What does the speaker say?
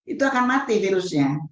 itu akan mati virusnya